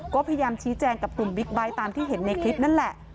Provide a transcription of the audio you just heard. ก็พยายามชี้แจงกับกลุ่มบิ๊กไบท์ตามที่เห็นในคลิปนั่นแหละ